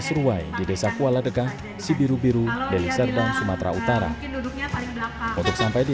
seruai di desa kuala degah sibiru biru deliserdaung sumatera utara sampai di